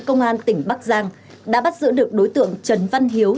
công an tỉnh bắc giang đã bắt giữ được đối tượng trần văn hiếu